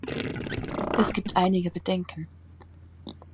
Es gibt einige Bedenken.